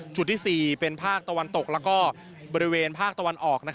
ที่๔เป็นภาคตะวันตกแล้วก็บริเวณภาคตะวันออก